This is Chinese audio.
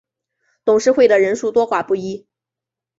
董事会的人数多寡不一。